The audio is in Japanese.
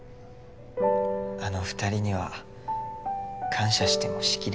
あの２人には感謝してもしきれないです。